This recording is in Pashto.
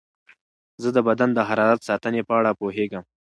زه د بدن د حرارت ساتنې په اړه پوهېږم.